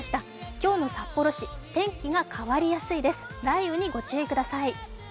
今日の札幌市、天気が変わりやすいです、雷雨にご注意ください。